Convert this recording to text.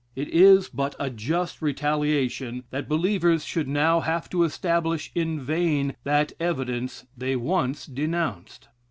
It is but a just retaliation that believers should now have to establish in vain that evidence they once denounced.